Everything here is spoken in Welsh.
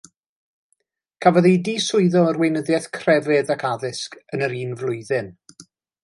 Cafodd ei diswyddo o'r Weinyddiaeth Crefydd ac Addysg yn yr un flwyddyn.